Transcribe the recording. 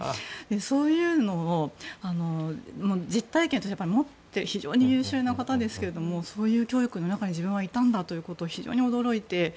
そういうのを実体験として持っていて非常に優秀な方ですがそういう教育の中に自分がいたんだということに非常に驚いていて。